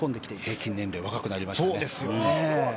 平均年齢若くなりましたね。